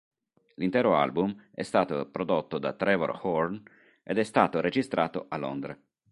L'intero album è stato prodotto da Trevor Horn ed è stato registrato a Londra.